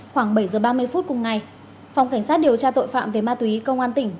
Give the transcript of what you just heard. khoảng bảy h ba mươi phút cùng ngày phòng cảnh sát điều tra tội phạm về ma túy công an tỉnh